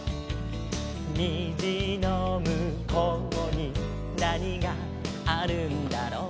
「にじのむこうになにがあるんだろう」